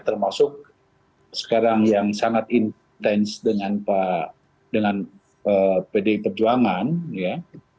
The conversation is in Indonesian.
termasuk sekarang yang sangat intens dengan pdi perjuangan ya